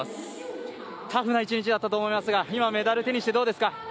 タフな一日だったと思いますが今メダルを手にしてどうですか。